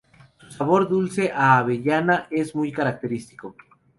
Su sabor dulce a avellana es muy característico.